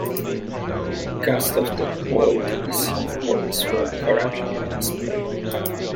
A cast of that mould is his oldest work currently on display.